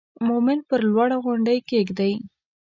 مومن پر لوړه غونډۍ کېږدئ.